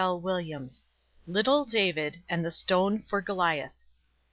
LITTLE DAVID AND THE STONE FOR GOLIATH.